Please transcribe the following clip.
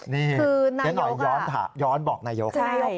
นี่เจ๊หน่อยย้อนบอกนายกรัฐมนตรี